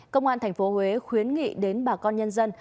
công an thành phố huế khuyến nghị đến bà con nhân dân